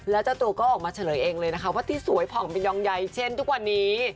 แล้วเจ้าตัวก็ออกมาเฉลยเองเลยนะคะว่าที่สวยผ่องเป็นยองใยเช่นทุกวันนี้